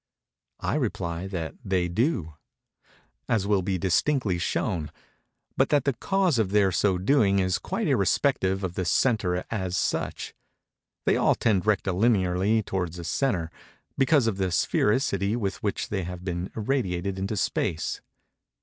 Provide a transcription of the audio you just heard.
I reply that they do; as will be distinctly shown; but that the cause of their so doing is quite irrespective of the centre as such. They all tend rectilinearly towards a centre, because of the sphereicity with which they have been irradiated into space.